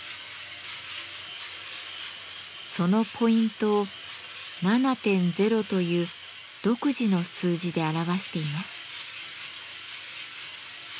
そのポイントを「７．０」という独自の数字で表しています。